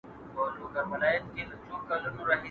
بس په دې نشه خمار وومه او يم